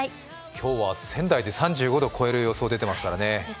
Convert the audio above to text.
今日は仙台で３５度を超える予想が出ていますからね。